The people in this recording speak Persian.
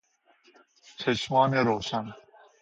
چشمان روشن